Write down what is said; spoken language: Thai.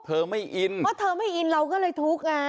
เธอไม่อินเพราะเธอไม่อินเราก็เลยทุกข์ไง